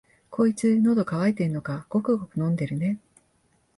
こいつ、のど渇いてんのか、ごくごく飲んでるね。